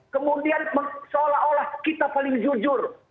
kemudian seolah olah kita paling jujur